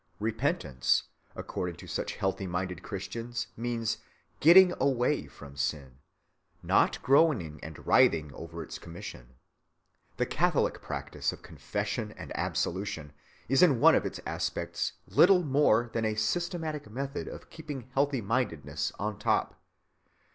Repentance according to such healthy‐minded Christians means getting away from the sin, not groaning and writhing over its commission. The Catholic practice of confession and absolution is in one of its aspects little more than a systematic method of keeping healthy‐mindedness on top.